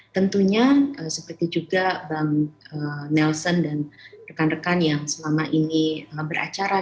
tentunya seperti juga bang nelson dan rekan rekan yang selama ini beracara